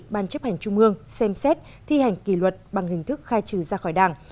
ban chấp hành trung mương xem xét thi hành kỳ luật bằng hình thức khai trừ ra khỏi đảng